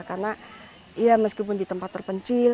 karena ya meskipun di tempat terpencil